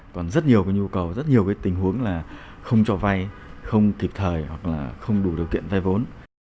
còn rất nhiều cái nhu cầu rất nhiều cái tình huống là không cho vay không kịp thời hoặc là không đủ điều kiện vay vốn